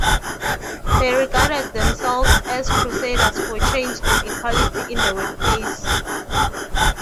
They regarded themselves as crusaders for change and equality in the workplace.